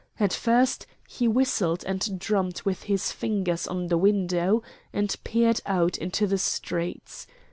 At first he whistled and drummed with his fingers on the window, and peered out into the streets.